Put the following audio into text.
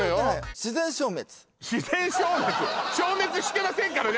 自然消滅消滅してませんからね